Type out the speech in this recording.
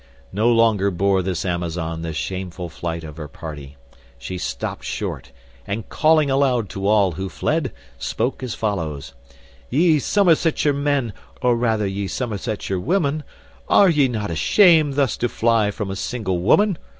No longer bore this Amazon the shameful flight of her party. She stopt short, and, calling aloud to all who fled, spoke as follows: "Ye Somersetshire men, or rather ye Somersetshire women, are ye not ashamed thus to fly from a single woman?